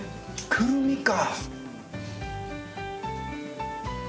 くるみか。